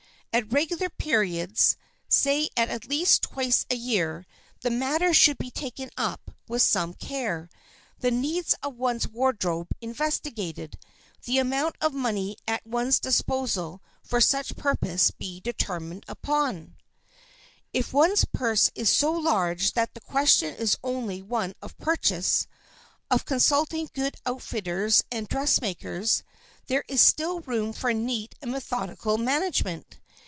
At regular periods, say at least twice a year, the matter should be taken up with some care, the needs of one's wardrobe investigated, the amount of money at one's disposal for such purposes be determined upon. [Sidenote: IF THE PURSE IS SMALL] If one's purse is so large that the question is only one of purchase, of consulting good outfitters and dressmakers, there is still room for neat and methodical management.